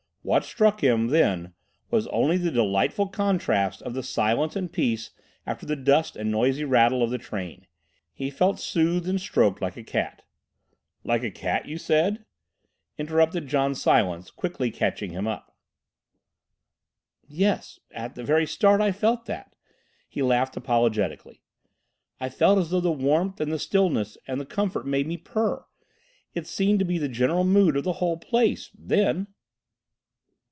What struck him then was only the delightful contrast of the silence and peace after the dust and noisy rattle of the train. He felt soothed and stroked like a cat. "Like a cat, you said?" interrupted John Silence, quickly catching him up. "Yes. At the very start I felt that." He laughed apologetically. "I felt as though the warmth and the stillness and the comfort made me purr. It seemed to be the general mood of the whole place—then."